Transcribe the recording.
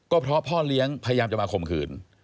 ก็เพราะพ่อเลี้ยงพยายามจะมาข่มขืน